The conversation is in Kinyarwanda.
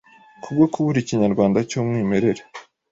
kubwo kubura ikinyarwanda cy’umwimerere.